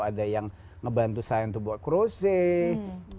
ada yang ngebantu saya untuk buat crossing